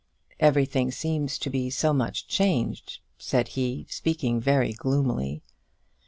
"Everything seems to be so much changed," said he, speaking very gloomily.